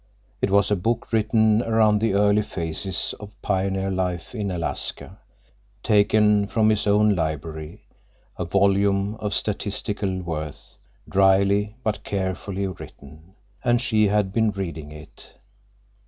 It was a book written around the early phases of pioneer life in Alaska, taken from his own library, a volume of statistical worth, dryly but carefully written—and she had been reading it.